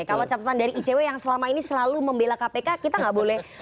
kalau catatan dari icw yang selama ini selalu membela kpk kita nggak boleh